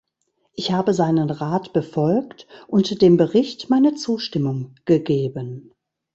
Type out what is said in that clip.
Ich habe seinen Rat befolgt und dem Bericht meine Zustimmung gegeben.